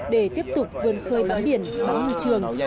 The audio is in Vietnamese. để tiếp tục vươn khơi bãng biển bão ngự trường